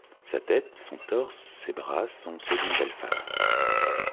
Sa tête, son torse, ses bras sont ceux d'une belle femme.